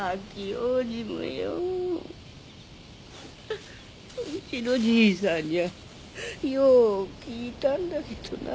ウチのじいさんにはよう効いたんだけどな。